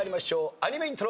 アニメイントロ。